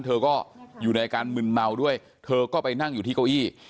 เธอก็อยู่ในอาการมึนเมาด้วยเธอก็ไปนั่งอยู่ที่เก้าอี้